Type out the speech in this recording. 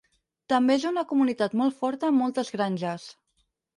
També és una comunitat molt forta amb moltes granges.